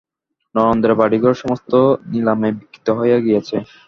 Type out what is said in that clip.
নরেন্দ্রের বাড়িঘর সমস্ত নিলামে বিক্রীত হইয়া গিয়াছে।